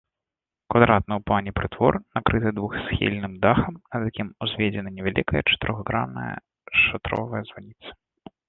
Квадратны ў плане прытвор накрыты двухсхільным дахам, над якім узведзена невялікая чатырохгранная шатровая званіца.